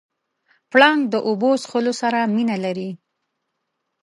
پړانګ د اوبو څښلو سره مینه لري.